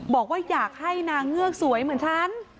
บอกว่าอยากให้นางเงือกสวยเหมือนฉัน